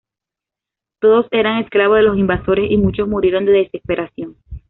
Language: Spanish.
Todos eran esclavos de los invasores y muchos murieron de desesperación.